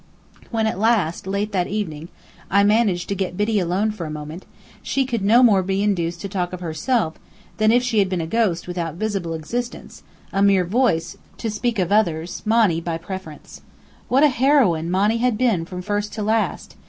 When at last, late that evening, I managed to get Biddy alone for a moment, she could no more be induced to talk of herself than if she had been a ghost without visible existence, a mere voice, to speak of others, Monny by preference. What a heroine Monny had been from first to last!